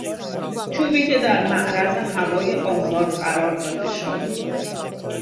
چوبی که در معرض هوای آزاد قرار داده شد